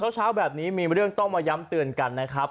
เช้าแบบนี้มีเรื่องต้องมาย้ำเตือนกันนะครับ